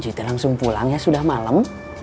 cuy tuh langsung pulang ya sudah malem